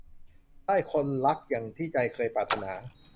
ได้คนรักอย่างที่ใจเคยปรารถนา